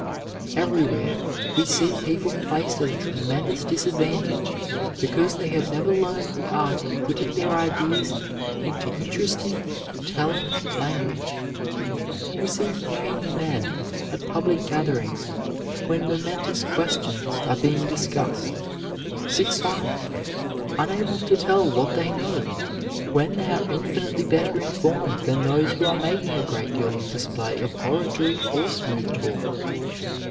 Everywhere we see people placed at a tremendous disadvantage because they have never learned the art of putting their ideas into interesting, telling language. We see brainy men at public gatherings, when momentous questions are being discussed, sit silent, unable to tell what they know, when they are infinitely better informed than those who are making a great deal of display of oratory or smooth talk.